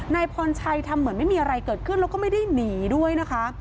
นายพรชัยทำเหมือนไม่มีอะไรเกิดขึ้นแล้วก็ไม่ได้หนีด้วยนะคะ